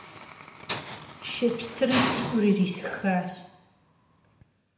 Шей пщтырым си ӏур ирисыхащ.